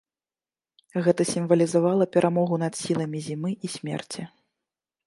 Гэта сімвалізавала перамогу над сіламі зімы і смерці.